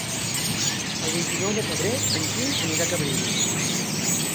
El vint-i-nou de febrer en Quim anirà a Cabrils.